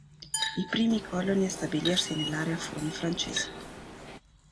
I primi coloni a stabilirsi nell'area furono i francesi.